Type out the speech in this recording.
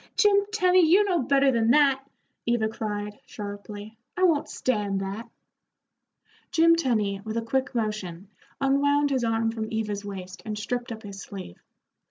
"Jim Tenny, you know better than that," Eva cried, sharply. "I won't stand that." Jim Tenny, with a quick motion, unwound his arm from Eva's waist and stripped up his sleeve.